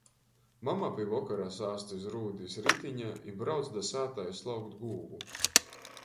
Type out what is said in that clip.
Mama pi vokora sāst iz Rūdis ritiņa i brauc da sātai slaukt gūvu.